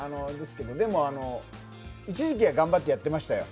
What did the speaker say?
でも、一時期は頑張ってやってましたよ。